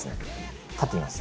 立ってみます？